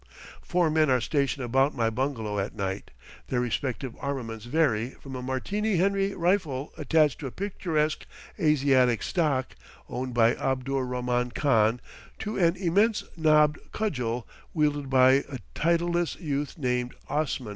Four men are stationed about my bungalow at night; their respective armaments vary from a Martini Henry rifle attached to a picturesque Asiatic stock, owned by Abdur Rahman Khan, to an immense knobbed cudgel wielded by a titleless youth named Osman.